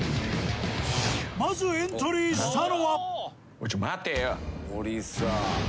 まずエントリーしたのはちょ待てよ！